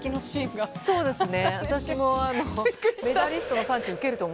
そうですね私も。